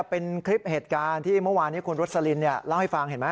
เป็นคลิปเหตุการณ์ที่เมื่อวานนี้คุณรสลินเล่าให้ฟังเห็นไหม